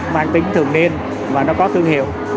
mang tính thường niên và nó có thương hiệu